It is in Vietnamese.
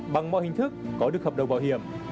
bằng mọi hình thức có được hợp đồng bảo hiểm